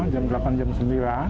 jam delapan jam sembilan